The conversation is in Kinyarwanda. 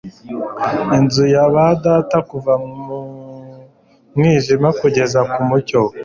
Inzu ya ba data kuva mu mwijima kugeza ku mucyo